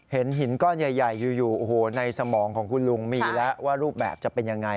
เห็นหินก้อนใหญ่อยู่โอ้โหในสมองของคุณลุงมีแล้วว่ารูปแบบจะเป็นยังไง